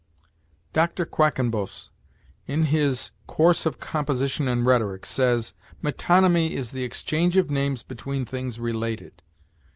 Dr. Quackenbos, in his "Course of Composition and Rhetoric," says: "Metonymy is the exchange of names between things related.